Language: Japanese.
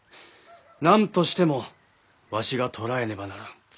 何としてもわしが捕らえねばならん。